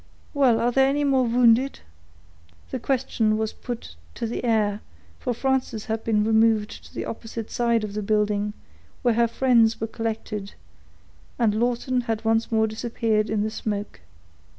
Well, are there any more wounded?" His question was put to the air, for Frances had been removed to the opposite side of the building, where her friends were collected, and Lawton had once more disappeared in the smoke.